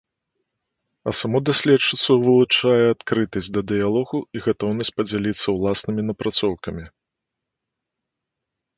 А саму даследчыцу вылучае адкрытасць да дыялогу і гатоўнасць падзяліцца ўласнымі напрацоўкамі.